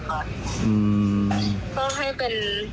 ก็ให้เป็นวุธาหดไว้ค่ะ